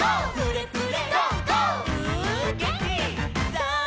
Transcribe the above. さあ